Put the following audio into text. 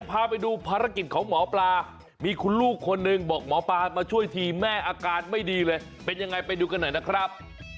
พาไปดูภารกิจของหมอปลามีคุณลูกคนหนึ่งบอกหมอปลามาช่วยทีแม่อาการไม่ดีเลยเป็นยังไงไปดูกันหน่อยนะครับ